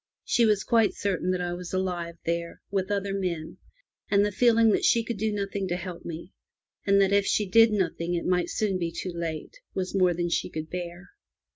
She was quite certain that I was aUve there, with other men, and the feeUng that she could do nothing to help me, and that if she did nothing it might soon be too late, was more than she could bear.